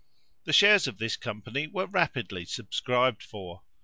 The shares of this company were rapidly subscribed for.